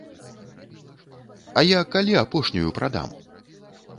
А я калі апошнюю прадам?